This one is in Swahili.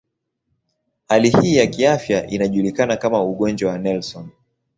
Hali hii ya kiafya inajulikana kama ugonjwa wa Nelson.